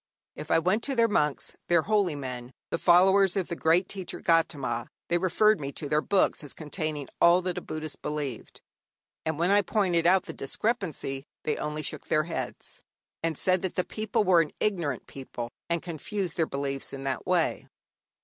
If I went to their monks, their holy men, the followers of the great teacher, Gaudama, they referred me to their books as containing all that a Buddhist believed; and when I pointed out the discrepancies, they only shook their heads, and said that the people were an ignorant people and confused their beliefs in that way.